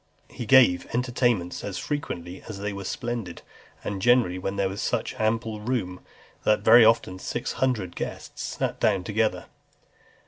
XXXII. He gave entertainments as frequent as they were splendid, and generally when there was such ample room, that very often six hundred guests sat down together.